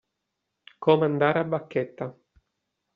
Comandare a bacchetta.